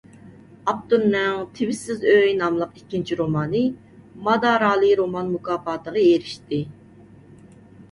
ئاپتورنىڭ «تىۋىشسىز ئۆي» ناملىق ئىككىنچى رومانى «مادارالى رومان مۇكاپاتى»غا ئېرىشتى.